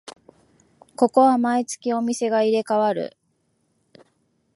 ここは毎月お店が入れ替わる